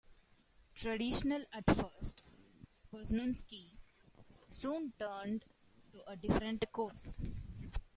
Traditional at first, Poznanski soon turned to a different course.